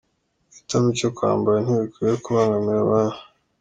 “Guhitamo icyo kwambara ntibikwiye kubangamira abandi”